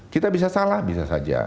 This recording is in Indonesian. kita bisa salah bisa saja